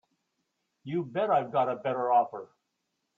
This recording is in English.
You bet I've got a better offer.